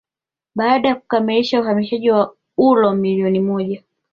baada ya kukamilisha uhamisho wa uro milioni moja